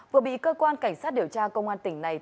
vừa bị cơ quan cảnh sát điều tra công an tỉnh này